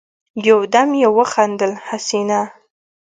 يودم يې وخندل: حسينه!